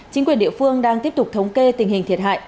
chính quyền địa phương đang tiếp tục thống kê tình hình thiệt hại